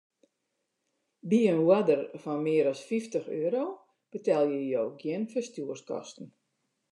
By in oarder fan mear as fyftich euro betelje jo gjin ferstjoerskosten.